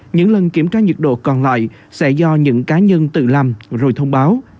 những lần kiểm tra nhiệt độ còn lại sẽ do những cá nhân tự làm rồi thông báo